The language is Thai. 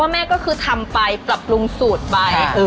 แม่ก็คือทำไปปรับปรุงสูตรไป